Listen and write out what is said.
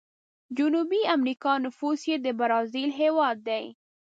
جنوبي امريکا نفوس یې د برازیل هیواد دی.